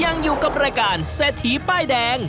ยังอยู่กับรายการเศรษฐีป้ายแดง